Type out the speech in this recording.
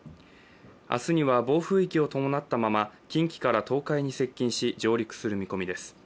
明日には暴風域を伴ったまま近畿から東海に接近し上陸する見込みです。